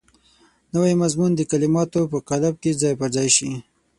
نوی مضمون د کلماتو په قالب کې ځای پر ځای شي.